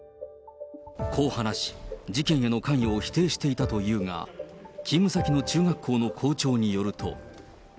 こう話し、事件への関与を否定していたというが、勤務先の中学校の校長によると。